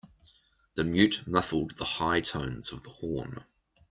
The mute muffled the high tones of the horn.